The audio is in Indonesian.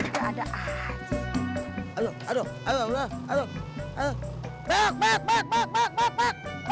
gak ada aja